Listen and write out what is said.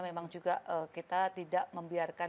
memang juga kita tidak membiarkan